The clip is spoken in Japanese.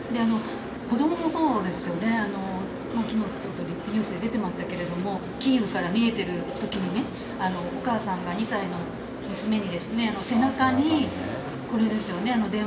子どももそうですよね、きのう、ちょっとニュースで出てましたけども、キーウから逃げているときに、お母さんが２歳の娘に背中にこれですよね。